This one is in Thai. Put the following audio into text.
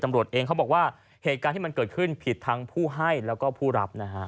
ตำรวจเองเขาบอกว่าเหตุการณ์ที่มันเกิดขึ้นผิดทั้งผู้ให้แล้วก็ผู้รับนะฮะ